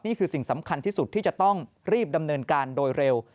สิ่งสำคัญที่สุดที่จะต้องรีบดำเนินการโดยเร็ว